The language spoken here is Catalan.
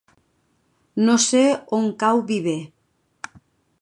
No sé on cau Viver.